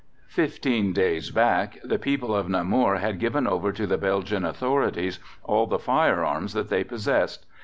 Fifteen days back the people of Namur had given over to the Belgian Authorities all the firearms that they possessed.